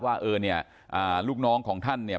ว่าเออเนี่ยลูกน้องของท่านเนี่ย